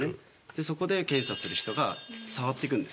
そこで検査する人が触っていくんです。